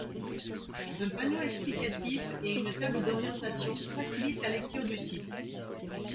Un panneau explicatif et une table d'orientation facilitent la lecture du site.